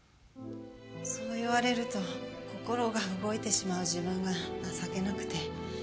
そう言われると心が動いてしまう自分が情けなくて。